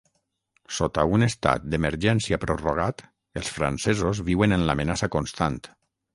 Sota un estat d’emergència prorrogat, els francesos viuen en l’amenaça constant.